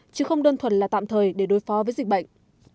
chứ không đơn thuần là tạm thời để đối phó với dịch bệnh